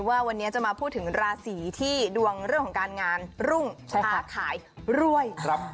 ว่าวันนี้จะมาพูดถึงราศีที่ดวงเรื่องของการงานรุ่งค้าขายรวย